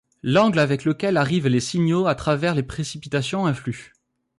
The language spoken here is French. L'angle avec lequel arrive les signaux à travers les précipitations influe.